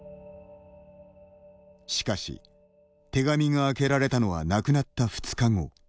しかし、手紙が開けられたのは亡くなった２日後。